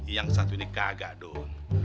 yang satu ini kagak dong